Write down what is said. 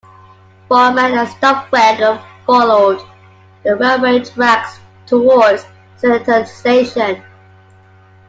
Bormann and Stumpfegger followed the railway tracks towards Stettiner station.